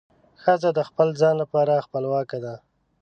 ښځه د خپل ځان لپاره خپلواکه ده.